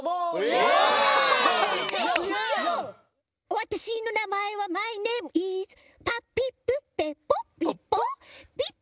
わたしのなまえはマイネームイズパピプペポッポッポ。